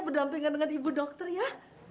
berdampingan dengan ibu dokter ya